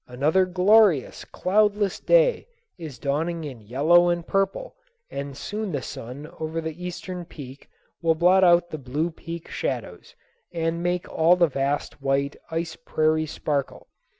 Another glorious cloudless day is dawning in yellow and purple and soon the sun over the eastern peak will blot out the blue peak shadows and make all the vast white ice prairie sparkle.